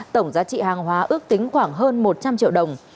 tổng giá trị hàng hóa ước tính khoảng hơn một trăm linh triệu đồng